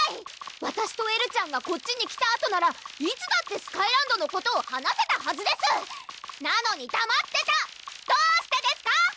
わたしとエルちゃんがこっちに来たあとならいつだってスカイランドのことを話せたはずですなのにだまってたどうしてですか！